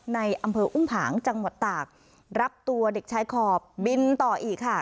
ในอำเภออุ้มผางจังหวัดตากรับตัวเด็กชายขอบบินต่ออีกค่ะ